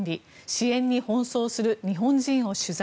支援に奔走する日本人を取材。